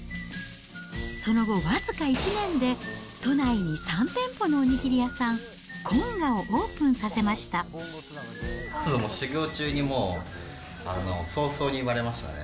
その後、僅か１年で都内に３店舗のお握り屋さん、こんがをオープンさせま修業中にもう、早々に言われましたね。